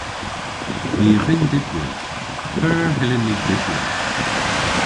Ni a vynn dybri. P'eur hyllyn ni dybri?